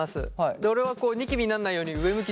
で俺はこうニキビになんないように上向きでやったりしますね。